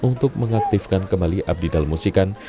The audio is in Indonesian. untuk mengaktifkan kembali abdi dalemusikan